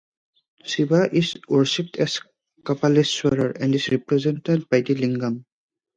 Shiva is worshiped as Kapaleeswarar, and is represented by the "lingam".